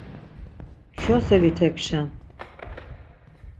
“Kyoselit hekşen!”